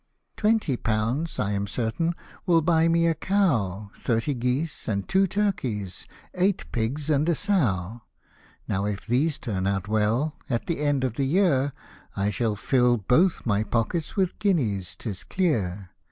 " Twenty pounds, I am certain, will buy me a cow, Thirty geese, and two turkeys eight pigs and a sow ; Now if these turn out well, at the end of the year, I shall fill both my pockets with guineas 'tis clear.